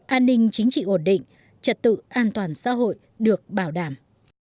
an ninh chính trị ổn định trật tự an toàn xã hội được bảo đảm